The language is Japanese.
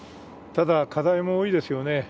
ただ、課題も多いですよね。